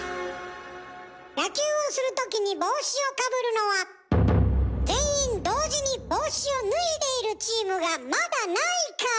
野球をするときに帽子をかぶるのは全員同時に帽子を脱いでいるチームがまだないから。